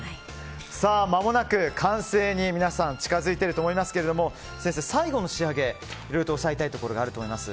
まもなく完成に皆さん近づいていると思いますけども先生、最後の仕上げいろいろとおっしゃいたいことがあると思います。